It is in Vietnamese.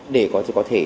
để có thể